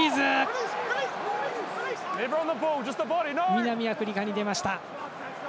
南アフリカに出ました。